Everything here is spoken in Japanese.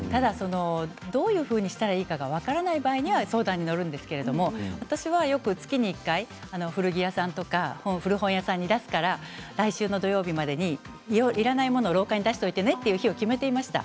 どういうふうにしたらいいかが分からない場合は相談に乗るんですけど私はよく月に１回古本屋さんに出すから来週の土曜日までにいらないものを廊下に出しておいてねという日を決めていました。